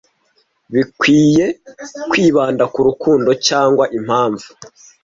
Bikwiye kwibanda ku rukundo, cyangwa impamvu